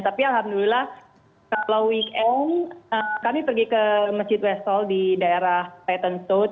tapi alhamdulillah kalau weekend kami pergi ke masjid west hall di daerah titan south